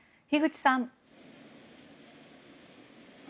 樋口さん。